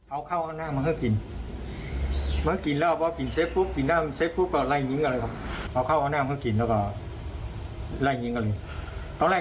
เอาข้าวด้วยมาข้าวกินมันกินแล้วเพราะกินเสชฟรุซกินแล้ว